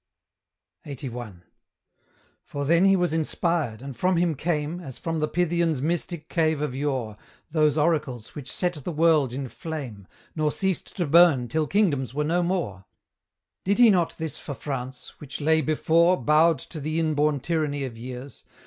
LXXXI. For then he was inspired, and from him came, As from the Pythian's mystic cave of yore, Those oracles which set the world in flame, Nor ceased to burn till kingdoms were no more: Did he not this for France, which lay before Bowed to the inborn tyranny of years?